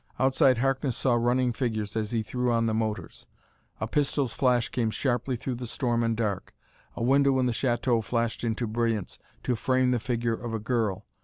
Outside Harkness saw running figures as he threw on the motors. A pistol's flash came sharply through the storm and dark. A window in the chateau flashed into brilliance to frame the figure of a girl.